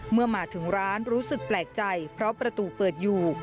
เมื่อมาถึงร้านรู้สึกแปลกใจเพราะประตูเปิดอยู่